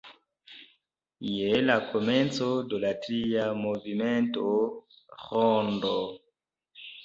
Je la komenco de la tria movimento "rondo.